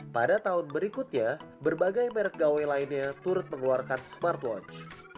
pada tahun berikutnya berbagai merek gawai lainnya turut mengeluarkan smartwatch